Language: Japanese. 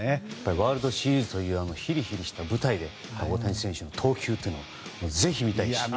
ワールドシリーズというあのヒリヒリした舞台での大谷選手の投球をぜひ見たいし。